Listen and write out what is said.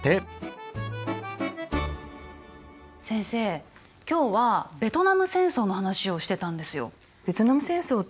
先生今日はベトナム戦争の話をしてたんですよ。